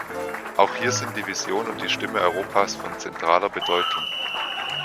Auch hier sind die Vision und die Stimme Europas von zentraler Bedeutung.